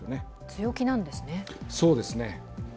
強気なんですね。